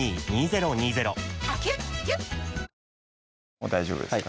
もう大丈夫ですか？